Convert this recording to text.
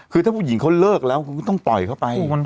คือถ้าผู้หญิงเขาเลิกแล้วคุณก็ต้องปล่อยเข้าไป